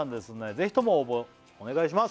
ぜひとも応募お願いします